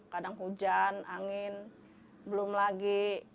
kadang hujan angin belum lagi